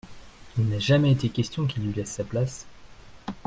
Il n’a jamais été question qu’il lui laisse sa place.